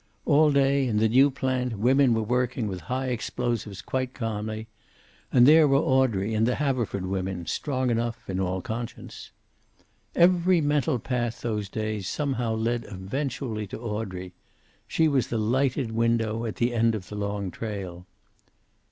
All day, in the new plant, women were working with high explosives quite calmly. And there were Audrey and the Haverford women, strong enough, in all conscience. Every mental path, those days, somehow led eventually to Audrey. She was the lighted window at the end of the long trail.